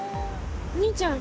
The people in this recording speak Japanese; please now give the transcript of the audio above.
お兄ちゃん。